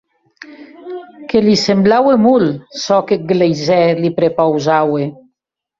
Que li semblaue molt, çò qu’eth gleisèr li prepausaue.